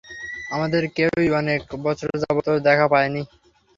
আমাদের কেউই অনেক বছর যাবত ওর দেখা পাইনি।